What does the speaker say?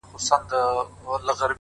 پرده به خود نو!! گناه خوره سي!!